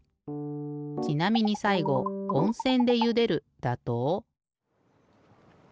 ちなみにさいごおんせんでゆでるだと。